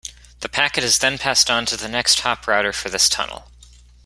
The packet is then passed on to the next hop router for this tunnel.